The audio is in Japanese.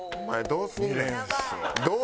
どうすんねんお前。